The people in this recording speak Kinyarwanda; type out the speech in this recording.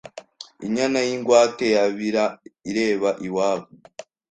Inyana y’ingwate yabira ireba iwabo.